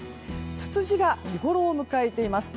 つつじが見ごろを迎えています。